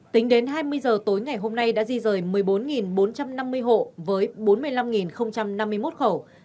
tính đến hai mươi giờ tối ngày hôm nay đã di rời một mươi bốn bốn trăm năm mươi hộ với bốn mươi năm năm mươi một khẩu